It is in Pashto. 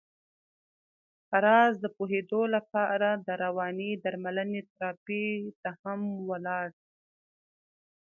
پر راز د پوهېدو لپاره د روانې درملنې تراپۍ ته هم ولاړ.